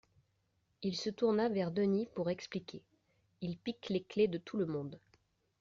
Il se tourna vers Denis pour expliquer: il pique les clés de tout le monde